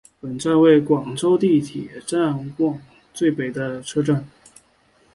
本站为广州地铁线网位处最北的车站。